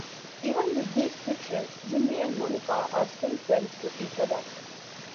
Even with these frictions, Jimmy and Monica are still friends to each other.